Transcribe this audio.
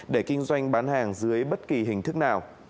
để kinh doanh bán hàng dưới bất kỳ hình thức nào